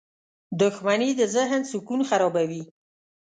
• دښمني د ذهن سکون خرابوي.